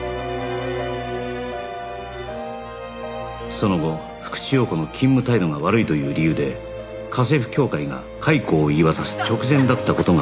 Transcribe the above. その後福地陽子の勤務態度が悪いという理由で家政婦協会が解雇を言い渡す直前だった事がわかった